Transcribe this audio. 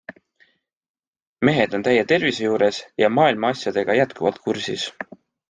Mehed on täie tervise juures ja maailma asjadega jätkuvalt kursis.